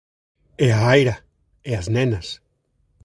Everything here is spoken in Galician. E a Aira e as nenas.